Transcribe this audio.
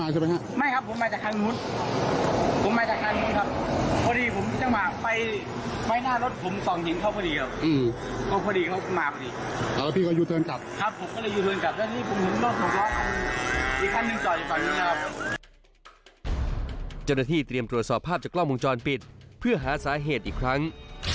เจ้าหน้าที่เตรียมตรวจสอบภาพจากกล้องวงจรปิดเพื่อหาสาเหตุอีกครั้ง